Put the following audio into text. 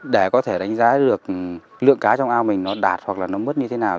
để có thể đánh giá được lượng cá trong ao mình nó đạt hoặc là nó mất như thế nào